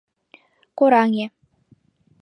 Кораҥе.